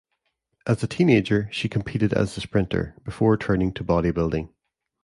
As a teenager she competed as a sprinter before turning to bodybuilding.